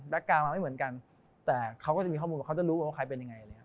กลางมาไม่เหมือนกันแต่เขาก็จะมีข้อมูลว่าเขาจะรู้ว่าใครเป็นยังไงอะไรอย่างนี้